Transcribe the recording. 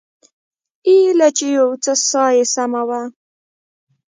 ايله چې يو څه ساه يې سمه وه.